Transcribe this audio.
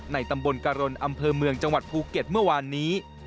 ตำบลกรณอำเภอเมืองจังหวัดภูเก็ตเมื่อวานนี้